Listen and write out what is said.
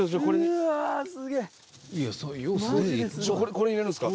これに入れるんすか？